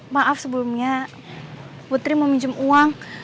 maaf sebelumnya putri mau minjem uang